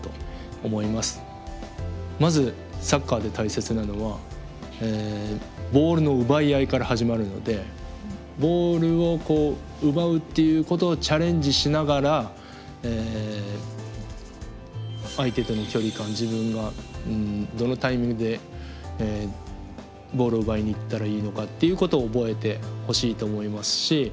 まずサッカーで大切なのはボールの奪い合いから始まるのでボールを奪うっていうことをチャレンジしながら相手との距離感自分がどのタイミングでボールを奪いにいったらいいのかっていうことを覚えてほしいと思いますし。